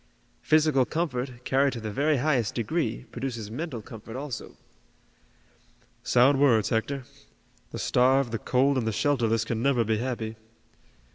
Physical comfort, carried to the very highest degree, produces mental comfort also." "Sound words, Hector. The starved, the cold and the shelterless can never be happy.